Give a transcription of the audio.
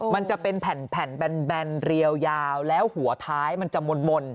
มันจะเป็นแผ่นแบนเรียวยาวแล้วหัวท้ายมันจะมน